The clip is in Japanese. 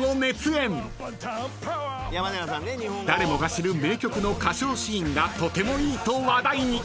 ［誰もが知る名曲の歌唱シーンがとてもいいと話題に］